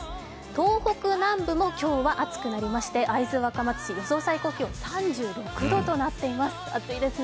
東北南部も今日は暑くなりまして会津若松市、予想最高気温３６度となっています。